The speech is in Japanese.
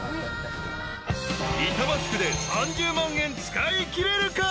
［板橋区で３０万円使いきれるか？］